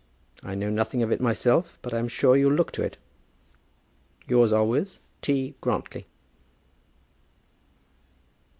I know nothing of it myself, but I am sure you'll look to it. Yours always, T. GRANTLY.